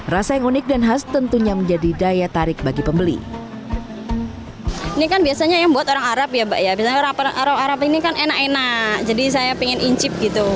rasa yang unik dan khas tentunya menjadi daya tarik bagi pembeli